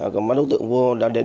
công an đối tượng vô đã đề cập